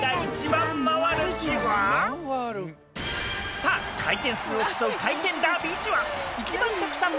さぁ回転数を競う回転ダービーじわ。